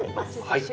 はい。